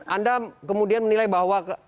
anda kemudian menilai bahwa